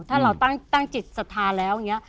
ถ้าเราตั้งจิตศรัทธาแล้วอย่างนี้